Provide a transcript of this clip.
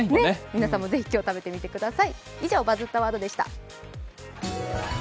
皆さんもぜひ今日、食べてみてください。